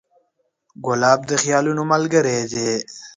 ګلاب د خیالونو ملګری دی.